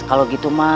kalau gitu mah